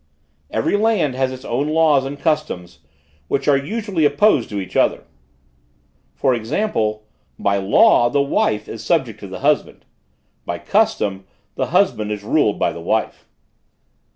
"Every land has its own laws and customs, which are usually opposed to each other. For example; by law, the wife is subject to the husband; by custom, the husband is ruled by the wife.